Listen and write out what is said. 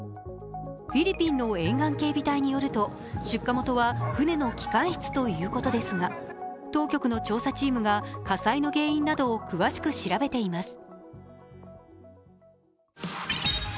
フィリピンの沿岸警備隊によると、出火元は船の機関室ということですが、当局の調査チームが火災の原因などを詳しく調べています。